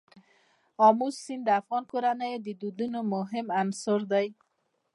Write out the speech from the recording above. آمو سیند د افغان کورنیو د دودونو مهم عنصر دی.